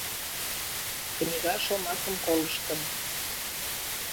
Книга шомакым колыштым